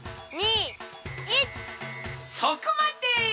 そこまで！